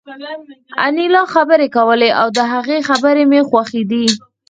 انیلا خبرې کولې او د هغې خبرې مې خوښېدې